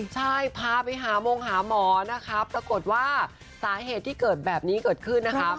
ใช่พาไปหามงหาหมอนะคะปรากฏว่าสาเหตุที่เกิดแบบนี้เกิดขึ้นนะคะ